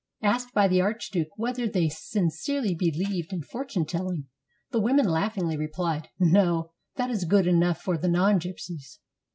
Asked by the archduke whether they sin cerely believed in fortune telling, the women laughingly replied, "No, that is good enough for the non g>psies."